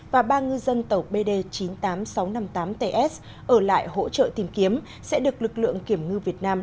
và ba ngư dân tàu bd chín mươi tám nghìn sáu trăm năm mươi tám ts ở lại hỗ trợ tìm kiếm sẽ được lực lượng kiểm ngư việt nam